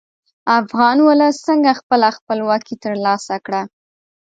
افغان ولس څنګه خپله خپلواکي تر لاسه کړه.